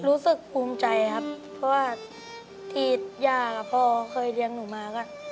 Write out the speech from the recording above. รู้สึกภูมิใจครับเพราะว่าที่ย่ากับพ่อเคยเลี้ยงหนูมาก็